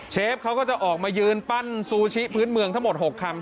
เชฟเขาก็จะออกมายืนปั้นซูชิพื้นเมืองทั้งหมด๖คำ